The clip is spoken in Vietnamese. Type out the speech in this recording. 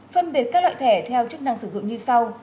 phân biệt các loại thẻ theo chức năng sử dụng như sau